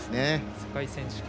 世界選手権